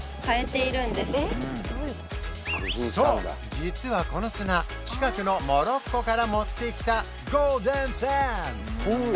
実はこの砂近くのモロッコから持ってきたゴールデンサンド！